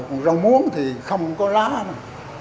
còn rau muống thì không có lá mà